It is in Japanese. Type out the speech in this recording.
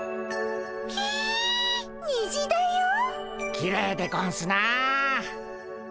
きれいでゴンスなあ。